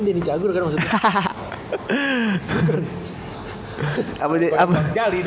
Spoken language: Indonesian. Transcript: ini denny jaguar kan maksudnya